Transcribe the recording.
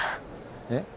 えっ？